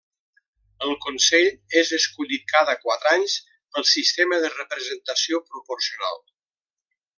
El consell és escollit cada quatre anys pel sistema de representació proporcional.